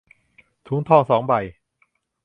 ถุงทอง สอง ใบ